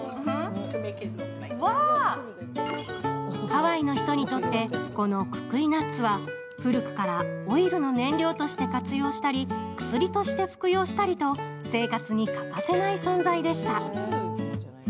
ハワイの人にとって、このククイナッツは、古くからオイルの燃料として活用したり、薬として服用したりと、生活に欠かせない存在でした。